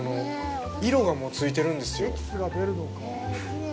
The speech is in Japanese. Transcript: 色がもうついてるんですよ。